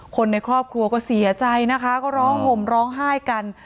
คนในครอบครัวก็เสียใจนะคะก็ร้องห่มร้องไห้กัน